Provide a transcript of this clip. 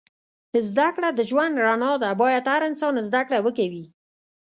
زده کړه د ژوند رڼا ده. باید هر انسان زده کړه وه کوی